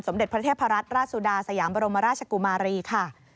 เด็จพระเทพรัตนราชสุดาสยามบรมราชกุมารีค่ะ